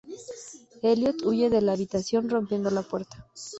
Elliot huye de la habitación rompiendo la puerta.